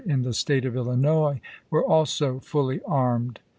in the State of Illinois were also fully armed.